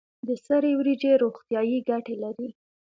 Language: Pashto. د سرې وریجې روغتیایی ګټې لري.